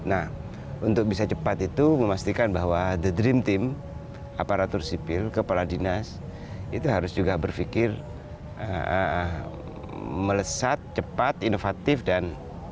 nah untuk bisa cepat itu memastikan bahwa the dream team aparatur sipil kepala dinas itu harus juga berpikir melesat cepat inovatif dan